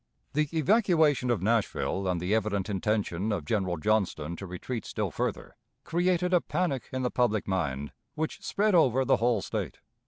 The evacuation of Nashville and the evident intention of General Johnston to retreat still further, created a panic in the public mind which spread over the whole State.